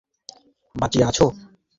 তাই কি শশী ভুলিয়া যায় আজো পিসি বাঁচিয়া আছে?